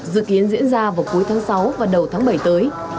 dự kiến diễn ra vào cuối tháng sáu và đầu tháng bảy tới